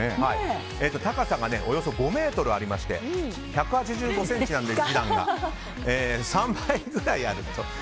高さがおよそ５ｍありましてジダンが１８５ｃｍなので３倍ぐらいあると。